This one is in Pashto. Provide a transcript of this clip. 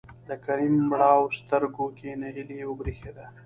د کريم مړاوو سترګو کې نهيلي وبرېښېده.